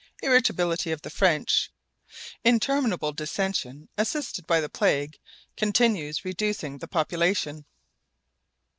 IRRITABILITY OF THE FRENCH: INTERMINABLE DISSENSION, ASSISTED BY THE PLAGUE, CONTINUES REDUCING THE POPULATION.